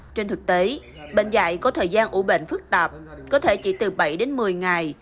trên thực tế bệnh dạy có thời gian ủ bệnh phức tạp có thể chỉ từ bảy đến một mươi ngày